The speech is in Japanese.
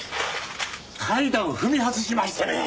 階段を踏み外しましてね。